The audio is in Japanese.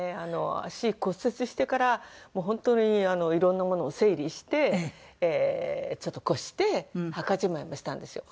足骨折してからもう本当にいろんなものを整理してちょっと越して墓じまいもしたんですよ。